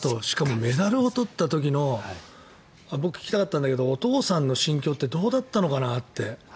しかもメダルを取った時の僕、聞きたかったんだけどお父さんの心境ってどうだったのかなって。